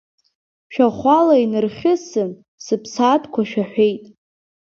Шәахәала инырхьысын, сыԥсаатәқәа шәаҳәеит.